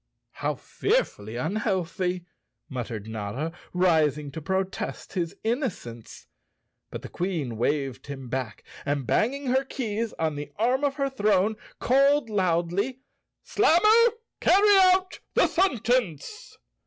"How fearfully unhealthy," muttered Notta, rising to protest his innocence. But the Queen waved him back, and banging her keys on the arm of her throne called loudly, "Slammer, carry out the sentence!"